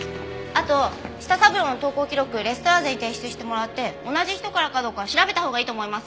あと舌三郎の投稿記録レストラーゼに提出してもらって同じ人からかどうか調べたほうがいいと思います。